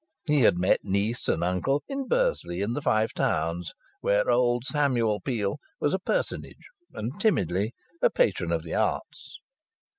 He had met niece and uncle in Bursley in the Five Towns, where old Samuel Peel was a personage, and, timidly, a patron of the arts.